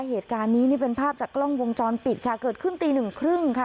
เหตุการณ์นี้นี่เป็นภาพจากกล้องวงจรปิดค่ะเกิดขึ้นตีหนึ่งครึ่งค่ะ